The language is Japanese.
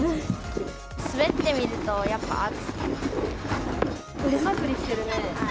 滑ってみると、腕まくりしてるね。